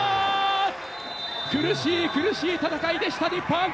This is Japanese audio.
苦しい苦しい戦いでした日本。